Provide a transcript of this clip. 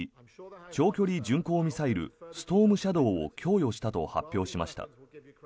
長距離巡航ミサイルストームシャドーを供与したと発表しました。